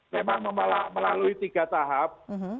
memang melalui tiga tahap